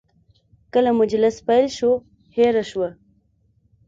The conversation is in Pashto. کله مجلس پیل شو، هیره شوه.